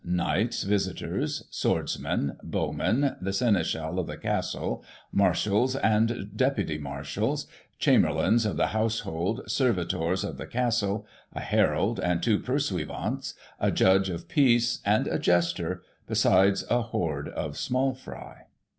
Knights Visitors, Swordsmen, Bow men, the Seneschal of the Castle, Marshals and Deputy Marshals, Chamberlains of the household, servitors of the Castle, a Herald and two Pursuivants, a Judge of Peace, and a Jester — besides a horde of small fry.